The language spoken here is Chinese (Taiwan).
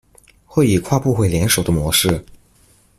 會以跨部會聯手的模式